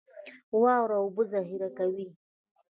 واوره اوبه ذخیره کوي